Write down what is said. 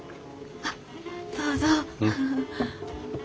あっどうぞ。